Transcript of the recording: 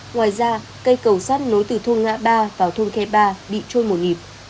ngoài ra cây cầu sắt nối từ thôn ngã ba vào thôn khe ba bị trôi một nhịp